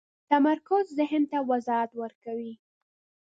تمرکز ذهن ته وضاحت ورکوي.